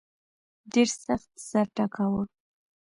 ډېر سخت سر ټکاوه.